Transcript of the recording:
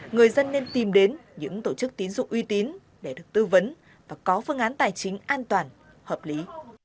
người dân nên tìm đến những tổ chức tín dụng uy tín để được tư vấn và có phương án tài chính an toàn hợp lý